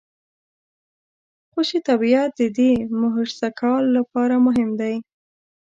خوشي طبیعت د دې مهرسګال لپاره مهم دی.